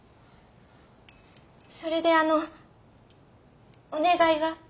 それであのお願いが。